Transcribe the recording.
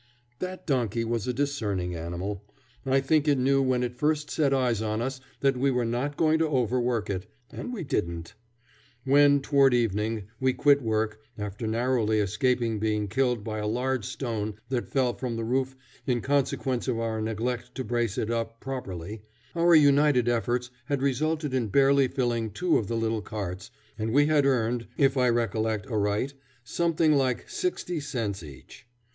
That donkey was a discerning animal. I think it knew when it first set eyes on us that we were not going to overwork it; and we didn't. When, toward evening, we quit work, after narrowly escaping being killed by a large stone that fell from the roof in consequence of our neglect to brace it up properly, our united efforts had resulted in barely filling two of the little carts, and we had earned, if I recollect aright, something like sixty cents each.